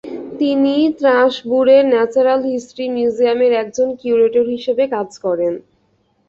তিনি স্ত্রাসবুরের natural history মিউজিয়ামে একজন কিউরেটর হিসেবে কাজ করেন।